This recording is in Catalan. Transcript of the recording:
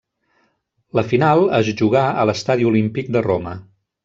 La final es jugà a l'Estadi Olímpic de Roma.